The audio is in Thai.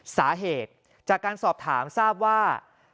สาเหตุจากการสอบถามทราบว่า